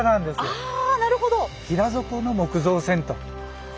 ああなるほど。